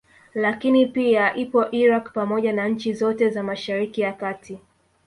Lakini pia ipo Iraq pamoja na nchi zote za Mashariki ya kati